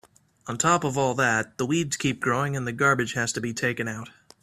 On top of all that, the weeds keep growing and the garbage has to be taken out.